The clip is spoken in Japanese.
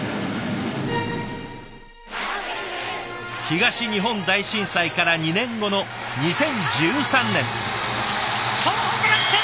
東日本大震災から２年後の２０１３年。